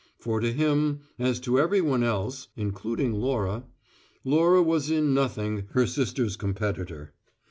For to him, as to every one else (including Laura), Laura was in nothing her sister's competitor.